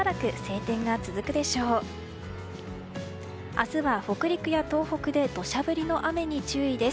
明日は北陸や東北で土砂降りの雨に注意です。